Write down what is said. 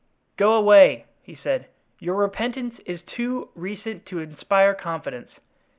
"Go away," he said; "your repentance is too recent to inspire confidence.